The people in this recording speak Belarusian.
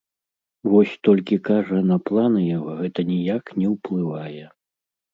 Вось толькі, кажа, на планы яго гэта ніяк не ўплывае.